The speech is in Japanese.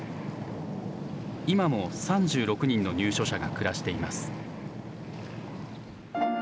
今も３６人の入所者が暮らしています。